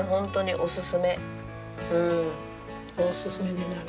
おすすめになる。